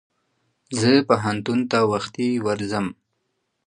زه پوهنتون ته وختي ورځم.